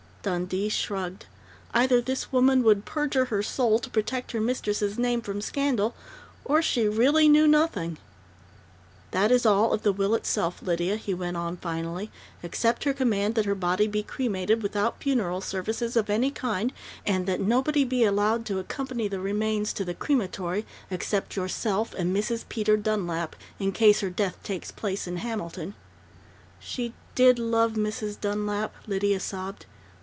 Dundee shrugged. Either this woman would perjure her soul to protect her mistress' name from scandal, or she really knew nothing. "That is all of the will itself, Lydia," he went on finally, "except her command that her body be cremated without funeral services of any kind, and that nobody be allowed to accompany the remains to the crematory except yourself and Mrs. Peter Dunlap, in case her death takes place in Hamilton " "She did love Mrs. Dunlap," Lydia sobbed.